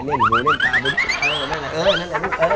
เออนั่น